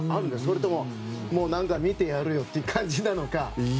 それとも見てやるよという感じなのか。